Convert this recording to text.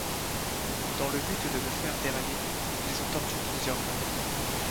Dans le but de le faire dérailler, ils ont tordu plusieurs rails.